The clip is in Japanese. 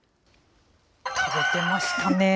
食べてましたね。